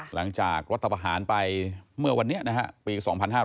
หลังจากรัฐประหารไปเมื่อวันนี้นะครับปี๒๕๕๗